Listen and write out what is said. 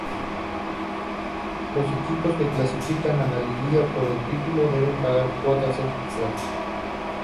Los equipos que clasifican a Liguilla por el título deben pagar cuotas extras.